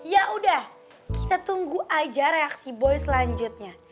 ya udah kita tunggu aja reaksi boy selanjutnya